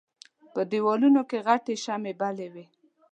په دېوالونو کې غټې شمعې بلې وې.